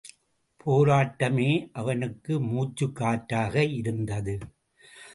போராட்டமே அவனுக்கு மூச்சுக் காற்றாக இருந்தது.